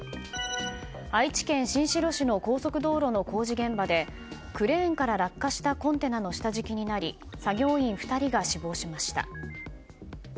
愛知県新城市の高速道路の工事現場でクレーンから落下したコンテナの下敷きになり作業員２人が死亡しました。